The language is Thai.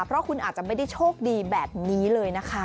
เพราะคุณอาจจะไม่ได้โชคดีแบบนี้เลยนะคะ